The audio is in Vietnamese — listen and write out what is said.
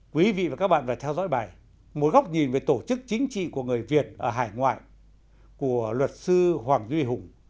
quý vị và các bạn phải theo dõi bài một góc nhìn về tổ chức chính trị của người việt ở hải ngoại của luật sư hoàng duy hùng